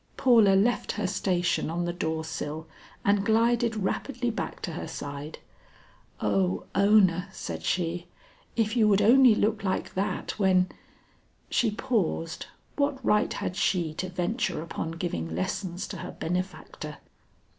Paula left her station on the door sill and glided rapidly back to her side. "O Ona," said she, "if you would only look like that when " she paused, what right had she to venture upon giving lessons to her benefactor.